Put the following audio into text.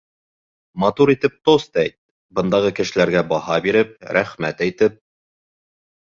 Матур итеп тост әйт: бындағы кешеләргә баһа биреп, рәхмәт әйтеп.